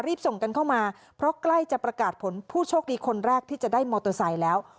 ส่งกันเข้ามาเพราะใกล้จะประกาศผลผู้โชคดีคนแรกที่จะได้มอเตอร์ไซค์แล้ว